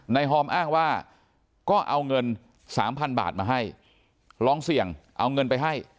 หอมอ้างว่าก็เอาเงิน๓๐๐๐บาทมาให้ลองเสี่ยงเอาเงินไปให้